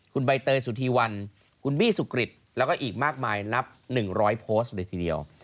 คุณใบเตยสุธีวันคุณบี้สุกริตแล้วก็อีกมากมายนับ๑๐๐โพสต์เลยทีเดียว